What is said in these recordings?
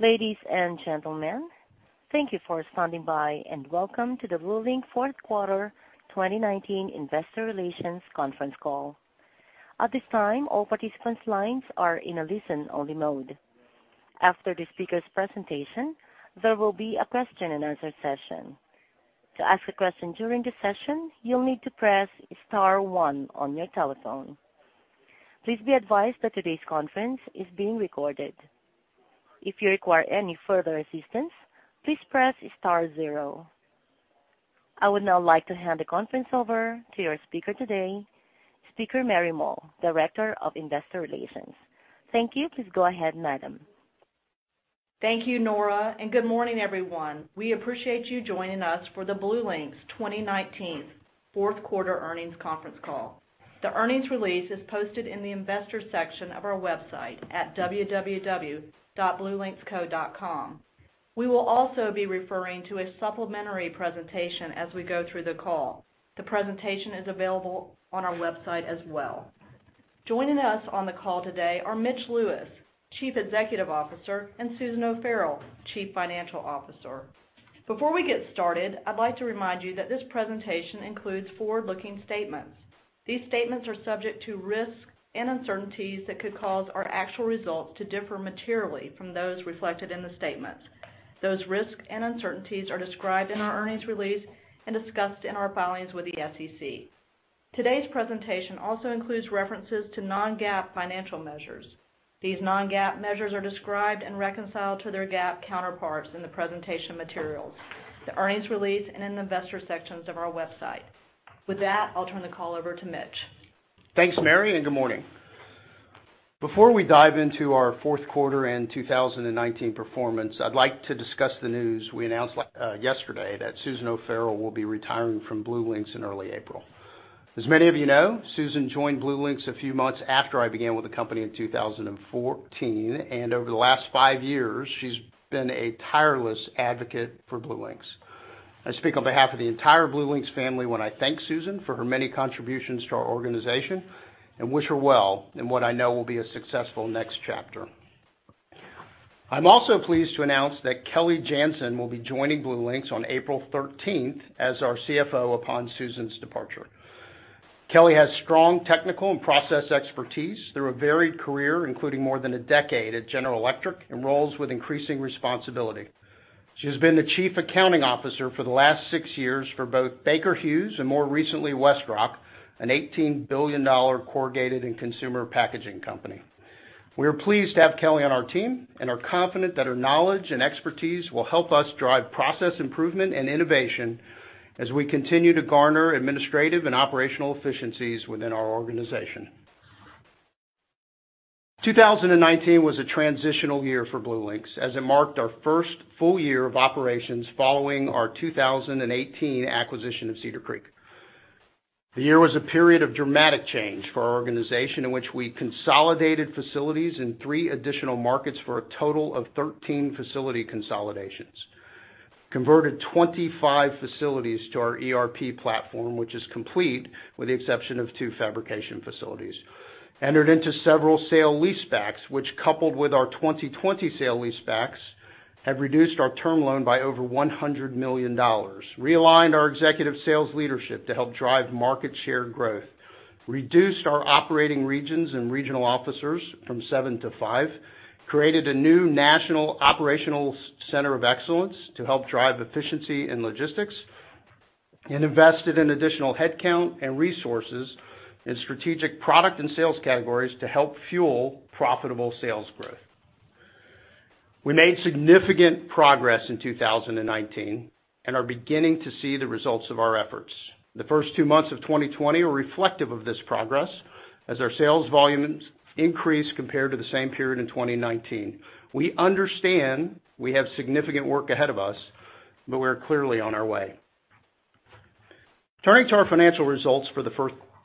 Ladies and gentlemen, thank you for standing by and welcome to the BlueLinx fourth quarter 2019 investor relations conference call. At this time, all participants' lines are in a listen-only mode. After the speakers' presentation, there will be a question-and-answer session. To ask a question during the session, you'll need to press star one on your telephone. Please be advised that today's conference is being recorded. If you require any further assistance, please press star zero. I would now like to hand the conference over to your speaker today, Speaker Mary Moll, Director of Investor Relations. Thank you. Please go ahead, madam. Thank you, Nora, and good morning, everyone. We appreciate you joining us for the BlueLinx 2019 fourth quarter earnings conference call. The earnings release is posted in the Investors section of our website at www.bluelinxco.com. We will also be referring to a supplementary presentation as we go through the call. The presentation is available on our website as well. Joining us on the call today are Mitch Lewis, Chief Executive Officer, and Susan O'Farrell, Chief Financial Officer. Before we get started, I'd like to remind you that this presentation includes forward-looking statements. These statements are subject to risks and uncertainties that could cause our actual results to differ materially from those reflected in the statements. Those risks and uncertainties are described in our earnings release and discussed in our filings with the SEC. Today's presentation also includes references to non-GAAP financial measures. These non-GAAP measures are described and reconciled to their GAAP counterparts in the presentation materials, the earnings release, and in the Investor sections of our website. With that, I'll turn the call over to Mitch. Thanks, Mary. Good morning. Before we dive into our fourth quarter and 2019 performance, I'd like to discuss the news we announced yesterday, that Susan O'Farrell will be retiring from BlueLinx in early April. As many of you know, Susan joined BlueLinx a few months after I began with the company in 2014, and over the last five years, she's been a tireless advocate for BlueLinx. I speak on behalf of the entire BlueLinx family when I thank Susan for her many contributions to our organization and wish her well in what I know will be a successful next chapter. I'm also pleased to announce that Kelly Janzen will be joining BlueLinx on April 13th as our CFO upon Susan's departure. Kelly has strong technical and process expertise through a varied career, including more than one decade at General Electric, and roles with increasing responsibility. She has been the Chief Accounting Officer for the last six years for both Baker Hughes and more recently WestRock, an $18 billion corrugated and consumer packaging company. We are pleased to have Kelly on our team and are confident that her knowledge and expertise will help us drive process improvement and innovation as we continue to garner administrative and operational efficiencies within our organization. 2019 was a transitional year for BlueLinx, as it marked our first full year of operations following our 2018 acquisition of Cedar Creek. The year was a period of dramatic change for our organization in which we consolidated facilities in three additional markets for a total of 13 facility consolidations, converted 25 facilities to our ERP platform, which is complete with the exception of two fabrication facilities. Entered into several sale-leasebacks, which coupled with our 2020 sale-leasebacks have reduced our term loan by over $100 million. Realigned our executive sales leadership to help drive market share growth. Reduced our operating regions and regional officers from seven to five. Created a new national operational center of excellence to help drive efficiency in logistics, and invested in additional headcount and resources in strategic product and sales categories to help fuel profitable sales growth. We made significant progress in 2019 and are beginning to see the results of our efforts. The first two months of 2020 are reflective of this progress as our sales volumes increase compared to the same period in 2019. We understand we have significant work ahead of us, but we're clearly on our way. Turning to our financial results for the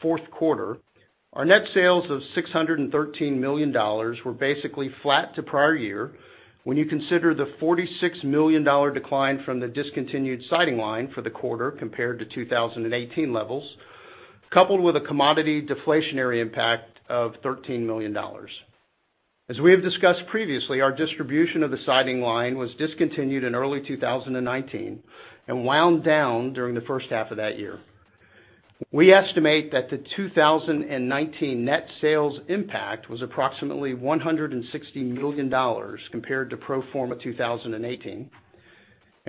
fourth quarter, our net sales of $613 million were basically flat to prior year when you consider the $46 million decline from the discontinued siding line for the quarter compared to 2018 levels, coupled with a commodity deflationary impact of $13 million. As we have discussed previously, our distribution of the siding line was discontinued in early 2019 and wound down during the first half of that year. We estimate that the 2019 net sales impact was approximately $160 million compared to pro forma 2018,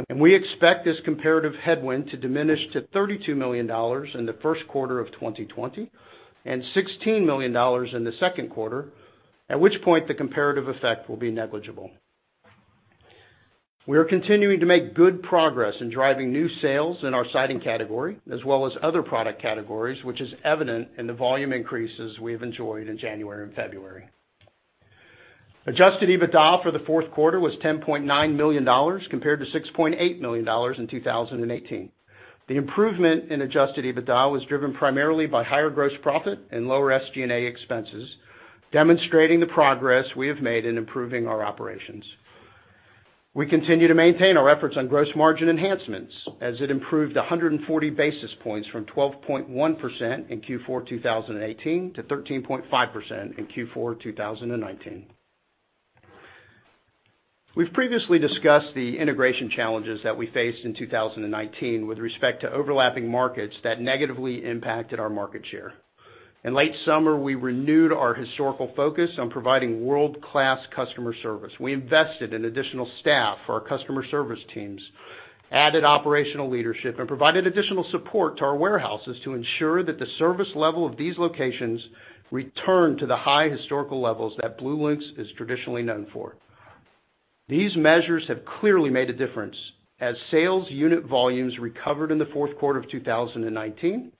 and we expect this comparative headwind to diminish to $32 million in the first quarter of 2020 and $16 million in the second quarter, at which point the comparative effect will be negligible. We are continuing to make good progress in driving new sales in our siding category, as well as other product categories, which is evident in the volume increases we have enjoyed in January and February. adjusted EBITDA for the fourth quarter was $10.9 million, compared to $6.8 million in 2018. The improvement in adjusted EBITDA was driven primarily by higher gross profit and lower SG&A expenses, demonstrating the progress we have made in improving our operations. We continue to maintain our efforts on gross margin enhancements as it improved 140 basis points from 12.1% in Q4 2018 to 13.5% in Q4 2019. We've previously discussed the integration challenges that we faced in 2019 with respect to overlapping markets that negatively impacted our market share. In late summer, we renewed our historical focus on providing world-class customer service. We invested in additional staff for our customer service teams, added operational leadership, and provided additional support to our warehouses to ensure that the service level of these locations returned to the high historical levels that BlueLinx is traditionally known for. These measures have clearly made a difference, as sales unit volumes recovered in the fourth quarter of 2019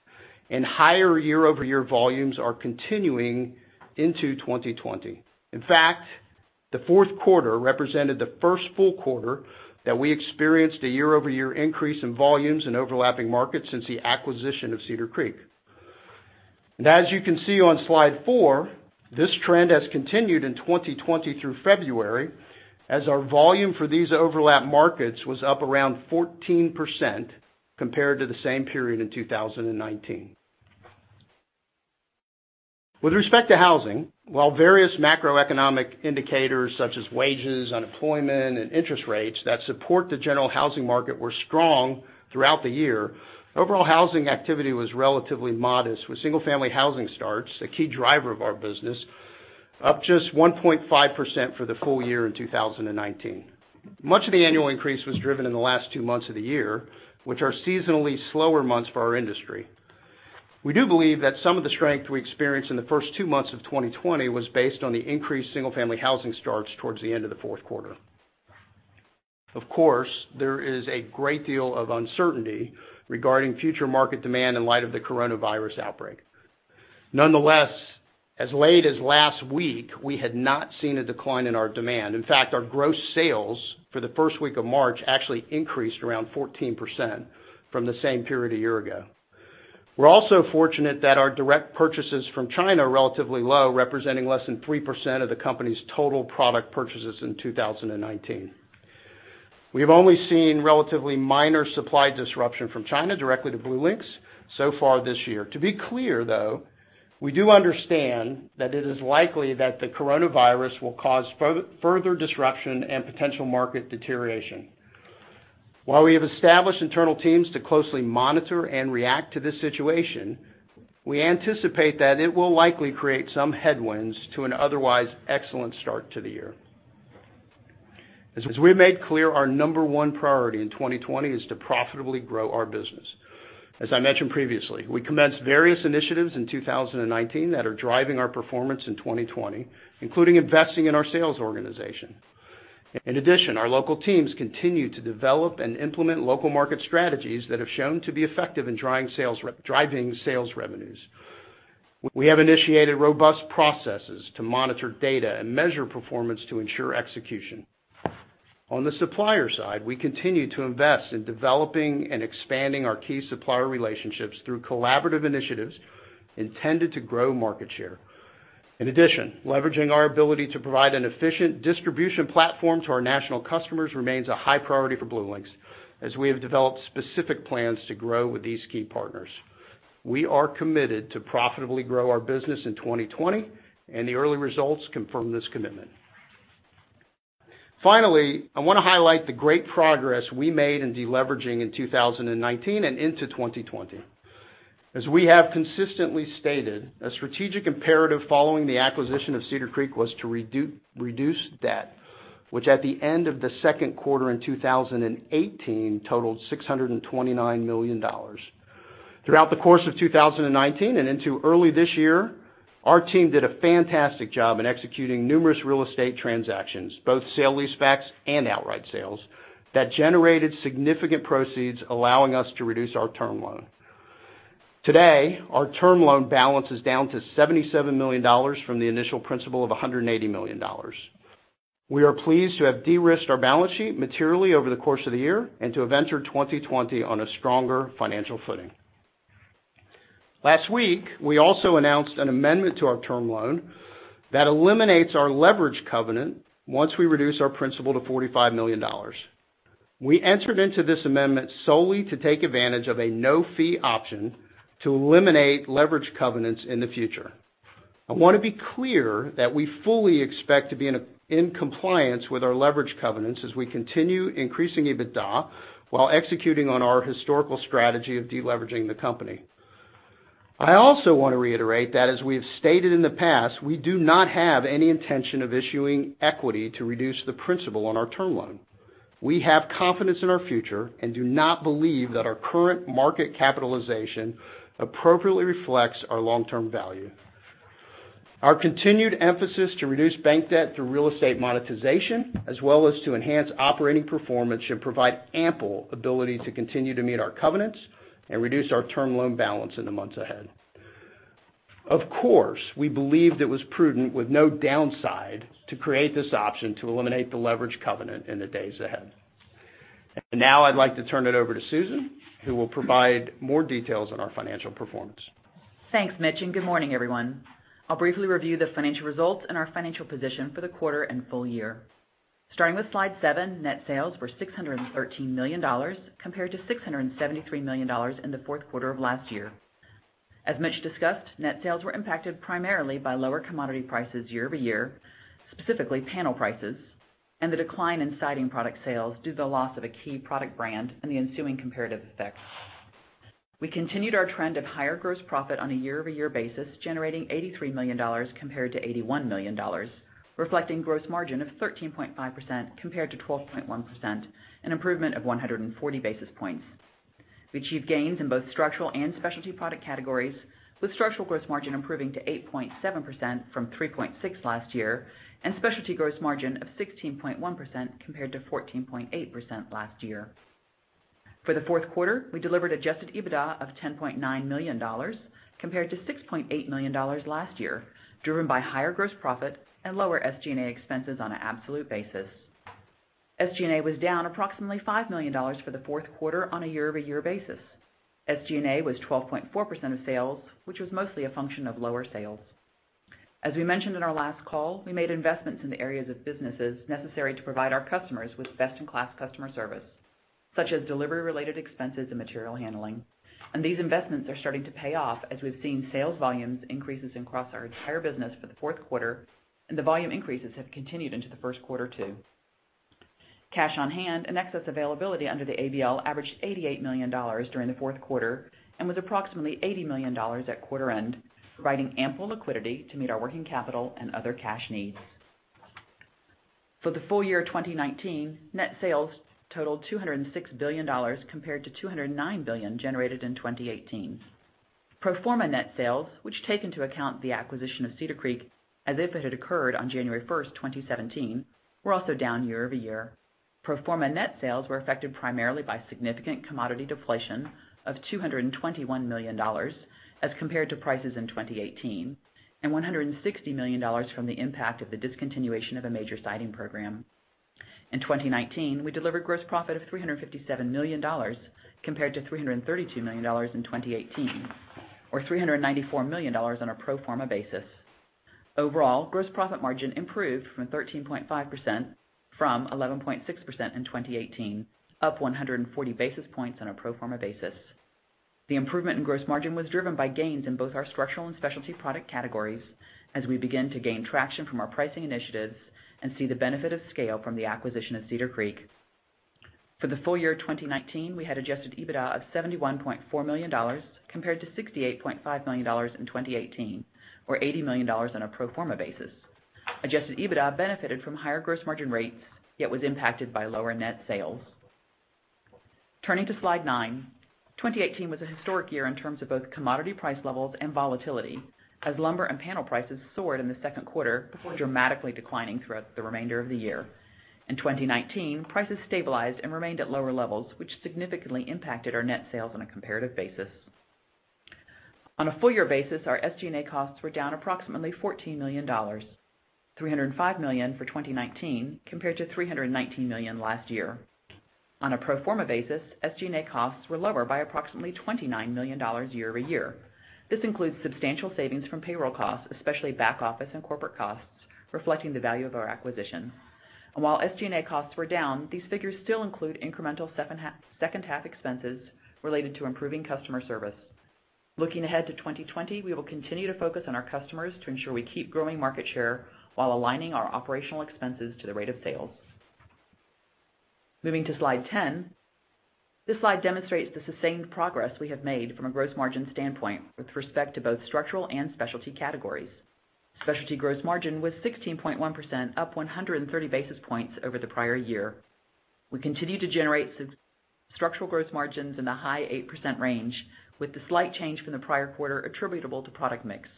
and higher year-over-year volumes are continuing into 2020. In fact, the fourth quarter represented the first full quarter that we experienced a year-over-year increase in volumes in overlapping markets since the acquisition of Cedar Creek. As you can see on slide four, this trend has continued in 2020 through February, as our volume for these overlap markets was up around 14% compared to the same period in 2019. With respect to housing, while various macroeconomic indicators such as wages, unemployment, and interest rates that support the general housing market were strong throughout the year, overall housing activity was relatively modest, with single-family housing starts, a key driver of our business, up just 1.5% for the full year in 2019. Much of the annual increase was driven in the last two months of the year, which are seasonally slower months for our industry. We do believe that some of the strength we experienced in the first two months of 2020 was based on the increased single-family housing starts towards the end of the fourth quarter. Of course, there is a great deal of uncertainty regarding future market demand in light of the coronavirus outbreak. Nonetheless, as late as last week, we had not seen a decline in our demand. In fact, our gross sales for the first week of March actually increased around 14% from the same period a year ago. We're also fortunate that our direct purchases from China are relatively low, representing less than 3% of the company's total product purchases in 2019. We have only seen relatively minor supply disruption from China directly to BlueLinx so far this year. To be clear, though, we do understand that it is likely that the coronavirus will cause further disruption and potential market deterioration. While we have established internal teams to closely monitor and react to this situation, we anticipate that it will likely create some headwinds to an otherwise excellent start to the year. As we made clear, our number one priority in 2020 is to profitably grow our business. As I mentioned previously, we commenced various initiatives in 2019 that are driving our performance in 2020, including investing in our sales organization. In addition, our local teams continue to develop and implement local market strategies that have shown to be effective in driving sales revenues. We have initiated robust processes to monitor data and measure performance to ensure execution. On the supplier side, we continue to invest in developing and expanding our key supplier relationships through collaborative initiatives intended to grow market share. In addition, leveraging our ability to provide an efficient distribution platform to our national customers remains a high priority for BlueLinx, as we have developed specific plans to grow with these key partners. We are committed to profitably grow our business in 2020, and the early results confirm this commitment. Finally, I want to highlight the great progress we made in deleveraging in 2019 and into 2020. As we have consistently stated, a strategic imperative following the acquisition of Cedar Creek was to reduce debt, which at the end of the second quarter in 2018 totaled $629 million. Throughout the course of 2019 and into early this year, our team did a fantastic job in executing numerous real estate transactions, both sale-leasebacks and outright sales, that generated significant proceeds, allowing us to reduce our term loan. Today, our term loan balance is down to $77 million from the initial principal of $180 million. We are pleased to have de-risked our balance sheet materially over the course of the year and to have entered 2020 on a stronger financial footing. Last week, we also announced an amendment to our term loan that eliminates our leverage covenant once we reduce our principal to $45 million. We entered into this amendment solely to take advantage of a no-fee option to eliminate leverage covenants in the future. I want to be clear that we fully expect to be in compliance with our leverage covenants as we continue increasing EBITDA while executing on our historical strategy of deleveraging the company. I also want to reiterate that, as we have stated in the past, we do not have any intention of issuing equity to reduce the principal on our term loan. We have confidence in our future and do not believe that our current market capitalization appropriately reflects our long-term value. Our continued emphasis to reduce bank debt through real estate monetization as well as to enhance operating performance should provide ample ability to continue to meet our covenants and reduce our term loan balance in the months ahead. Of course, we believed it was prudent with no downside to create this option to eliminate the leverage covenant in the days ahead. Now I'd like to turn it over to Susan, who will provide more details on our financial performance. Thanks, Mitch, and good morning, everyone. I'll briefly review the financial results and our financial position for the quarter and full year. Starting with slide seven, net sales were $613 million compared to $673 million in the fourth quarter of last year. As Mitch discussed, net sales were impacted primarily by lower commodity prices year-over-year, specifically panel prices, and the decline in siding product sales due to the loss of a key product brand and the ensuing comparative effects. We continued our trend of higher gross profit on a year-over-year basis, generating $83 million compared to $81 million, reflecting gross margin of 13.5% compared to 12.1%, an improvement of 140 basis points. We achieved gains in both structural and specialty product categories, with structural gross margin improving to 8.7% from 3.6% last year, and specialty gross margin of 16.1% compared to 14.8% last year. For the fourth quarter, we delivered adjusted EBITDA of $10.9 million compared to $6.8 million last year, driven by higher gross profit and lower SG&A expenses on an absolute basis. SG&A was down approximately $5 million for the fourth quarter on a year-over-year basis. SG&A was 12.4% of sales, which was mostly a function of lower sales. As we mentioned in our last call, we made investments in the areas of businesses necessary to provide our customers with best-in-class customer service, such as delivery-related expenses and material handling. These investments are starting to pay off as we've seen sales volumes increases across our entire business for the fourth quarter, and the volume increases have continued into the first quarter too. Cash on hand and excess availability under the ABL averaged $88 million during the fourth quarter and was approximately $80 million at quarter end, providing ample liquidity to meet our working capital and other cash needs. For the full year 2019, net sales totaled $206 billion, compared to $209 billion generated in 2018. Pro forma net sales, which take into account the acquisition of Cedar Creek as if it had occurred on January 1, 2017, were also down year-over-year. Pro forma net sales were affected primarily by significant commodity deflation of $221 million as compared to prices in 2018, and $160 million from the impact of the discontinuation of a major siding program. In 2019, we delivered gross profit of $357 million, compared to $332 million in 2018, or $394 million on a pro forma basis. Overall, gross profit margin improved from 13.5% from 11.6% in 2018, up 140 basis points on a pro forma basis. The improvement in gross margin was driven by gains in both our structural and specialty product categories as we begin to gain traction from our pricing initiatives and see the benefit of scale from the acquisition of Cedar Creek. For the full year 2019, we had adjusted EBITDA of $71.4 million, compared to $68.5 million in 2018, or $80 million on a pro forma basis. Adjusted EBITDA benefited from higher gross margin rates, yet was impacted by lower net sales. Turning to slide nine, 2018 was a historic year in terms of both commodity price levels and volatility, as lumber and panel prices soared in the second quarter before dramatically declining throughout the remainder of the year. In 2019, prices stabilized and remained at lower levels, which significantly impacted our net sales on a comparative basis. On a full year basis, our SG&A costs were down approximately $14 million, $305 million for 2019 compared to $319 million last year. On a pro forma basis, SG&A costs were lower by approximately $29 million year-over-year. This includes substantial savings from payroll costs, especially back office and corporate costs, reflecting the value of our acquisition. While SG&A costs were down, these figures still include incremental second half expenses related to improving customer service. Looking ahead to 2020, we will continue to focus on our customers to ensure we keep growing market share while aligning our operational expenses to the rate of sales. Moving to slide 10. This slide demonstrates the sustained progress we have made from a gross margin standpoint with respect to both structural and specialty categories. Specialty gross margin was 16.1%, up 130 basis points over the prior year. We continue to generate structural gross margins in the high 8% range, with the slight change from the prior quarter attributable to product mix.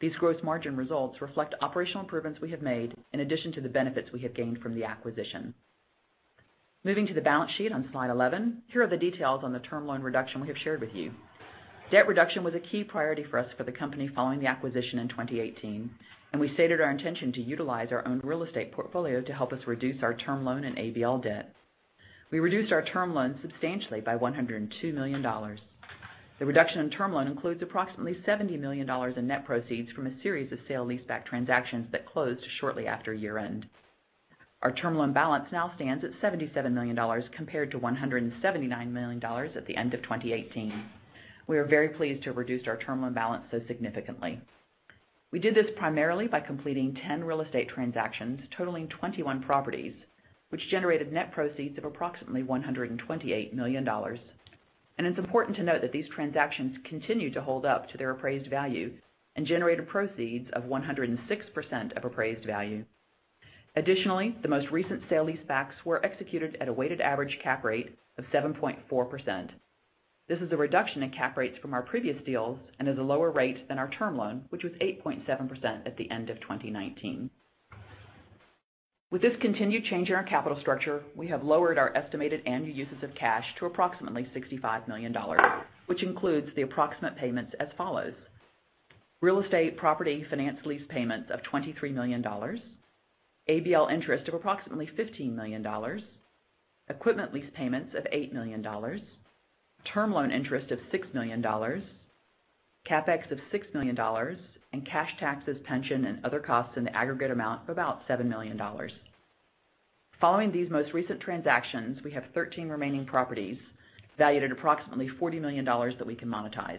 These gross margin results reflect operational improvements we have made in addition to the benefits we have gained from the acquisition. Moving to the balance sheet on slide 11, here are the details on the term loan reduction we have shared with you. Debt reduction was a key priority for us for the company following the acquisition in 2018, and we stated our intention to utilize our owned real estate portfolio to help us reduce our term loan and ABL debt. We reduced our term loan substantially by $102 million. The reduction in term loan includes approximately $70 million in net proceeds from a series of sale leaseback transactions that closed shortly after year-end. Our term loan balance now stands at $77 million compared to $179 million at the end of 2018. We are very pleased to have reduced our term loan balance so significantly. We did this primarily by completing 10 real estate transactions totaling 21 properties, which generated net proceeds of approximately $128 million. It's important to note that these transactions continued to hold up to their appraised value and generated proceeds of 106% of appraised value. Additionally, the most recent sale leasebacks were executed at a weighted average cap rate of 7.4%. This is a reduction in cap rates from our previous deals and is a lower rate than our term loan, which was 8.7% at the end of 2019. With this continued change in our capital structure, we have lowered our estimated annual uses of cash to approximately $65 million, which includes the approximate payments as follows. Real estate property finance lease payments of $23 million. ABL interest of approximately $15 million. Equipment lease payments of $8 million. Term loan interest of $6 million. CapEx of $6 million. Cash taxes, pension, and other costs in the aggregate amount of about $7 million. Following these most recent transactions, we have 13 remaining properties valued at approximately $40 million that we can monetize.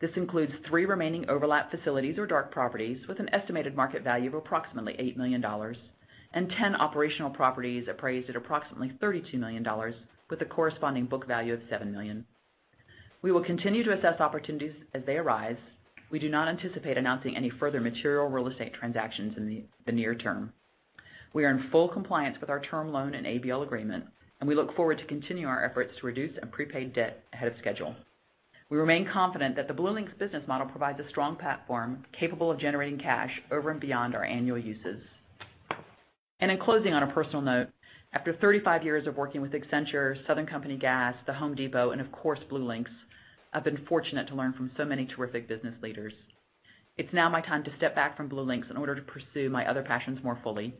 This includes three remaining overlap facilities or dark properties with an estimated market value of approximately $8 million, and 10 operational properties appraised at approximately $32 million, with a corresponding book value of $7 million. We will continue to assess opportunities as they arise. We do not anticipate announcing any further material real estate transactions in the near term. We are in full compliance with our term loan and ABL agreement. We look forward to continuing our efforts to reduce and prepaid debt ahead of schedule. We remain confident that the BlueLinx business model provides a strong platform capable of generating cash over and beyond our annual uses. In closing, on a personal note, after 35 years of working with Accenture, Southern Company Gas, The Home Depot, and of course, BlueLinx, I've been fortunate to learn from so many terrific business leaders. It's now my time to step back from BlueLinx in order to pursue my other passions more fully.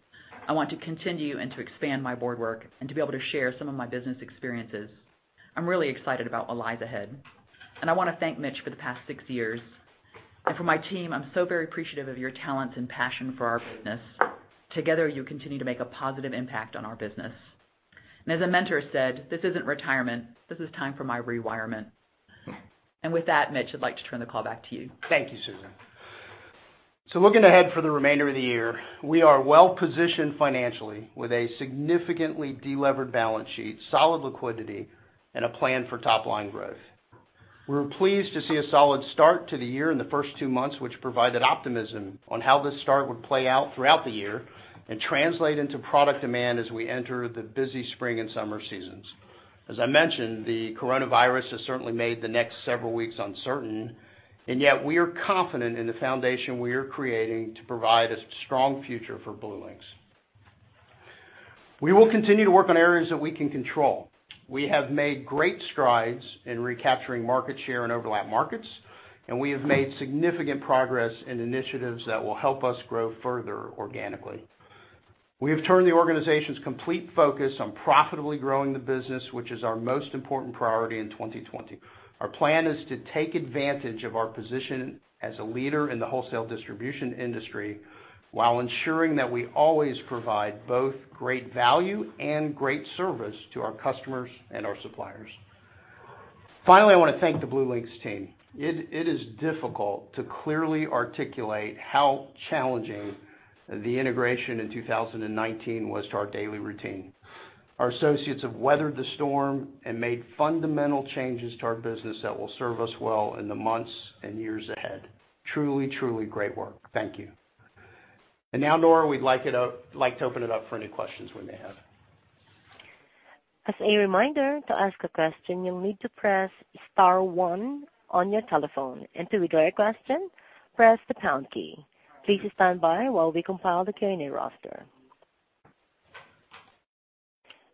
I want to continue and to expand my board work and to be able to share some of my business experiences. I'm really excited about what lies ahead, and I want to thank Mitch for the past six years. For my team, I'm so very appreciative of your talents and passion for our business. Together, you continue to make a positive impact on our business. As a mentor said, "This isn't retirement, this is time for my rewirement." With that, Mitch, I'd like to turn the call back to you. Thank you, Susan. Looking ahead for the remainder of the year, we are well-positioned financially with a significantly delevered balance sheet, solid liquidity, and a plan for top-line growth. We were pleased to see a solid start to the year in the first two months, which provided optimism on how this start would play out throughout the year and translate into product demand as we enter the busy spring and summer seasons. As I mentioned, the coronavirus has certainly made the next several weeks uncertain, and yet we are confident in the foundation we are creating to provide a strong future for BlueLinx. We will continue to work on areas that we can control. We have made great strides in recapturing market share in overlap markets, and we have made significant progress in initiatives that will help us grow further organically. We have turned the organization's complete focus on profitably growing the business which is our most important priority in 2020. Our plan is to take advantage of our position as a leader in the wholesale distribution industry, while ensuring that we always provide both great value and great service to our customers and our suppliers. Finally, I want to thank the BlueLinx team. It is difficult to clearly articulate how challenging the integration in 2019 was to our daily routine. Our associates have weathered the storm and made fundamental changes to our business that will serve us well in the months and years ahead. Truly great work. Thank you. Now, Nora, we'd like to open it up for any questions we may have. As a reminder, to ask a question, you'll need to press star one on your telephone. To withdraw your question, press the pound key. Please stand by while we compile the Q&A roster.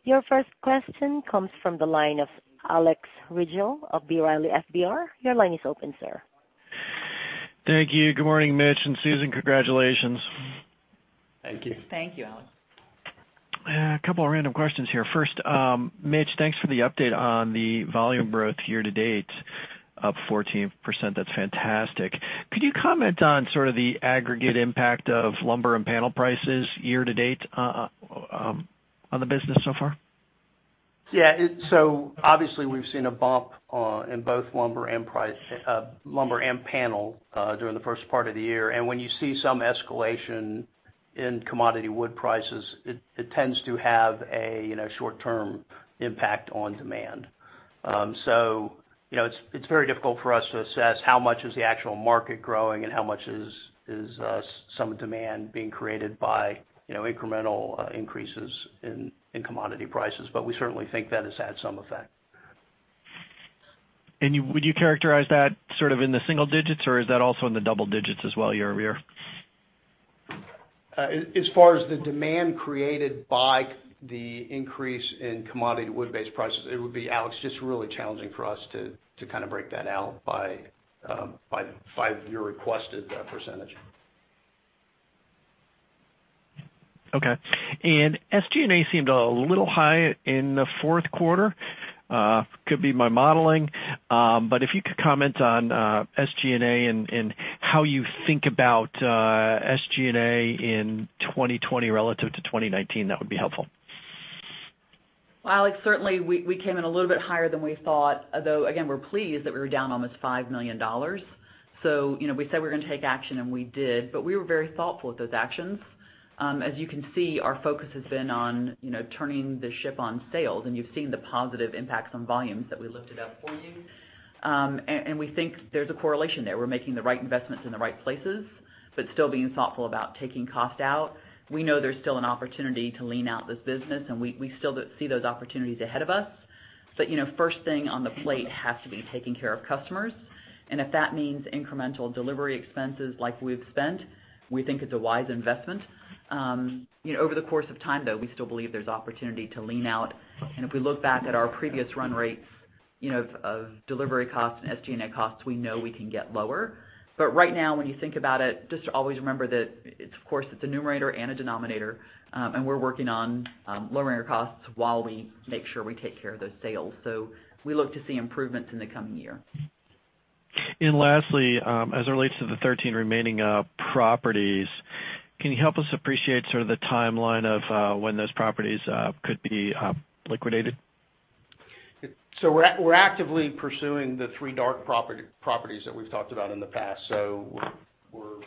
Your first question comes from the line of Alex Rygiel of B. Riley FBR. Your line is open, sir. Thank you. Good morning, Mitch and Susan. Congratulations. Thank you. Thank you, Alex. A couple of random questions here. First, Mitch, thanks for the update on the volume growth year-to-date, up 14%. That's fantastic. Could you comment on sort of the aggregate impact of lumber and panel prices year-to-date on the business so far? Yeah. Obviously we've seen a bump in both lumber and panel during the first part of the year. When you see some escalation in commodity wood prices, it tends to have a short-term impact on demand. It's very difficult for us to assess how much is the actual market growing and how much is some demand being created by incremental increases in commodity prices. We certainly think that has had some effect. Would you characterize that sort of in the single digits, or is that also in the double digits as well year-over-year? As far as the demand created by the increase in commodity wood-based prices, it would be, Alex, just really challenging for us to kind of break that out by your requested percentage. Okay. SG&A seemed a little high in the fourth quarter. Could be my modeling, but if you could comment on SG&A and how you think about SG&A in 2020 relative to 2019, that would be helpful. Alex, certainly we came in a little bit higher than we thought, although, again, we're pleased that we were down almost $5 million. We said we were going to take action, and we did, but we were very thoughtful with those actions. As you can see, our focus has been on turning the ship on sales, and you've seen the positive impacts on volumes that we lifted up for you. We think there's a correlation there. We're making the right investments in the right places, but still being thoughtful about taking cost out. We know there's still an opportunity to lean out this business, and we still see those opportunities ahead of us. First thing on the plate has to be taking care of customers. If that means incremental delivery expenses like we've spent, we think it's a wise investment. Over the course of time, though, we still believe there's opportunity to lean out. If we look back at our previous run rates of delivery costs and SG&A costs, we know we can get lower. Right now, when you think about it, just always remember that it's, of course, it's a numerator and a denominator, and we're working on lowering our costs while we make sure we take care of those sales. We look to see improvements in the coming year. Lastly, as it relates to the 13 remaining properties, can you help us appreciate sort of the timeline of when those properties could be liquidated? We're actively pursuing the three dark properties that we've talked about in the past. We're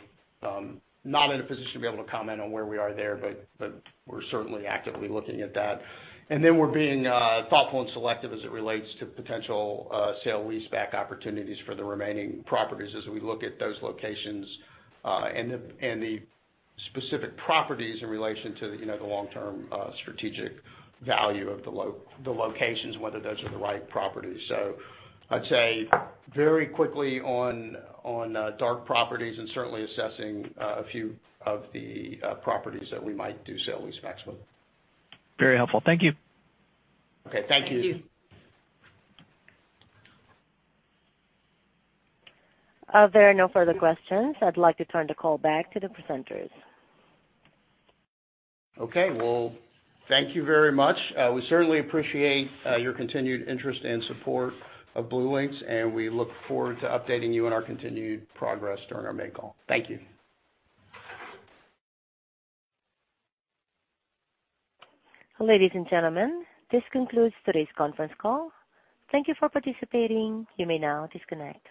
not in a position to be able to comment on where we are there, but we're certainly actively looking at that. Then we're being thoughtful and selective as it relates to potential sale-leaseback opportunities for the remaining properties as we look at those locations, and the specific properties in relation to the long-term strategic value of the locations, whether those are the right properties. I'd say very quickly on dark properties and certainly assessing a few of the properties that we might do sale-leasebacks with. Very helpful. Thank you. Okay. Thank you. Thank you. There are no further questions. I'd like to turn the call back to the presenters. Okay. Well, thank you very much. We certainly appreciate your continued interest and support of BlueLinx, and we look forward to updating you on our continued progress during our main call. Thank you. Ladies and gentlemen, this concludes today's conference call. Thank you for participating. You may now disconnect.